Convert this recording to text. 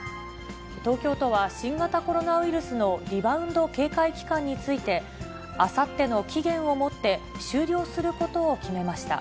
東京都は、新型コロナウイルスのリバウンド警戒期間について、あさっての期限をもって、終了することを決めました。